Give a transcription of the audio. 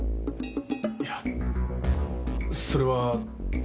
いやそれは。